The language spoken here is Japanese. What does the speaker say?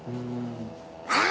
「あ！」